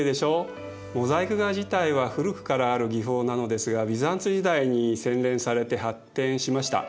モザイク画自体は古くからある技法なのですがビザンツ時代に洗練されて発展しました。